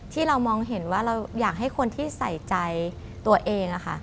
ที่เรามองเห็นว่าเราอยากให้คนที่ใส่ใจตัวเอง